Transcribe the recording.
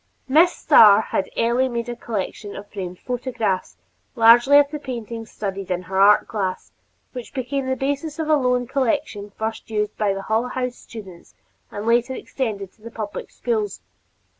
Miss Starr had early made a collection of framed photographs, largely of the paintings studied in her art class, which became the basis of a loan collection first used by the Hull House students and later extended to the public schools.